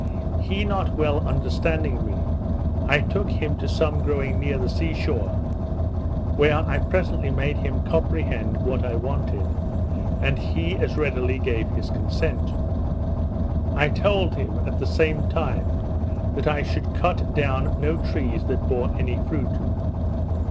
He not well understanding me, I took him to some growing near the sea shore, where I presently made him comprehend what I wanted, and he as readily gave his consent. I told him, at the same time, that I should cut down no trees that bore any fruit.